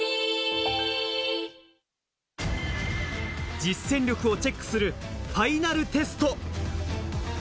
実践力をチェックするファイナルテスト。